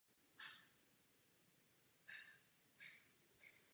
Namaloval spoustu portrétů obyvatel tohoto regionu.